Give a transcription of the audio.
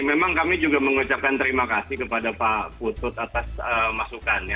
memang kami juga mengucapkan terima kasih kepada pak putut atas masukannya